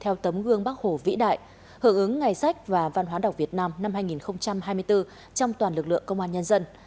theo tấm gương bác hồ vĩ đại hưởng ứng ngày sách và văn hóa đọc việt nam năm hai nghìn hai mươi bốn trong toàn lực lượng công an nhân dân